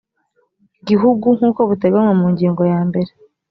gihugu nk uko buteganywa mu ngingo ya mbere